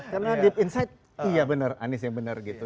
karena deep inside iya benar anies yang benar gitu